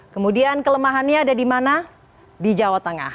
kemudian kelemahannya ada di mana di jawa tengah